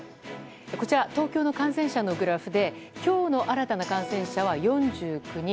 こちら、東京の感染者のグラフで今日の新たな感染者は４９人。